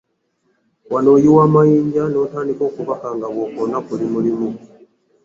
Wano oyiwa amayinja n’otandika okubaka nga bw’okoona ku limuulimu.